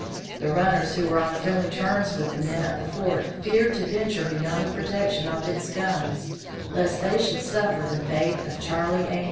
The runners who were on friendly terms with the men at the fort feared to venture beyond the protection of its guns lest they should suffer the fate of Charley A.